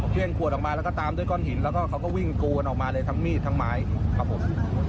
เครื่องขวดออกมาแล้วก็ตามด้วยก้อนหินแล้วก็เขาก็วิ่งโกนออกมาเลยทั้งมีดทั้งไม้ครับผม